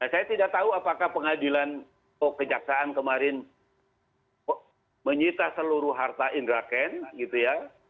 saya tidak tahu apakah pengadilan kejaksaan kemarin menyita seluruh harta indraken gitu ya